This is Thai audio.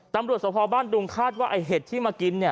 ตำรวจสภบ้านดุงคาดว่าไอ้เห็ดที่มากิน